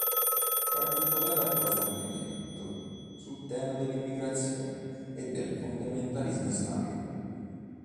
Particolare approfondimento sul tema dell’immigrazione e del fondamentalismo islamico.